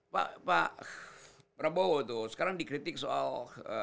pak prabowo tuh sekarang dikritik soal